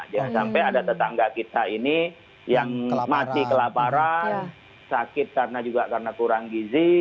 jangan sampai ada tetangga kita ini yang mati kelaparan sakit karena juga karena kurang gizi